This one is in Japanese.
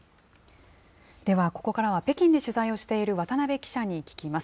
ではここからは北京で取材をしている渡辺記者に聞きます。